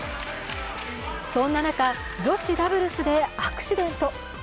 そんな中、女子ダブルスでアクシデント。